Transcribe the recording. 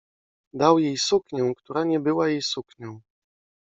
Dał jej suknię, która nie była jej suknią.